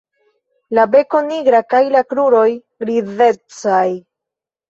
La beko nigra kaj la kruroj grizecaj.